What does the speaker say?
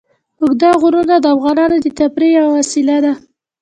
اوږده غرونه د افغانانو د تفریح یوه وسیله ده.